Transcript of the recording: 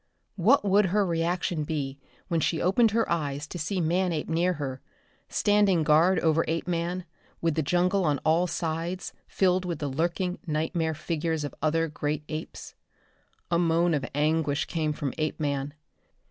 What would her reaction be when she opened her eyes to see Manape near her, standing guard over Apeman, with the jungle on all sides filled with the lurking nightmare figures of other great apes? A moan of anguish came from Apeman.